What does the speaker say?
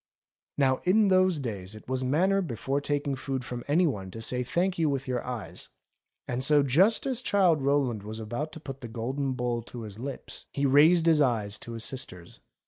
Now in those days it was manners before taking food from any one to say thank you with your eyes, and so just as Childe Rowland was about to put the golden bowl to his lips, he raised his eyes to his sister's.